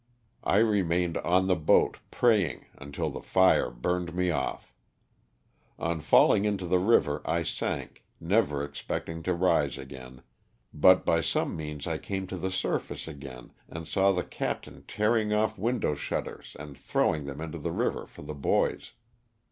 I remained on the boat pray ing until the fire burned me off. On falling into the river I sank, never expecting to arise again, but by some means I came to the surface again and saw the captain tearing off window shutters and throwing them into the river for the boys.